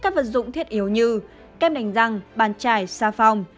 phật dụng thiết yếu như kem đành răng bàn chải xa phòng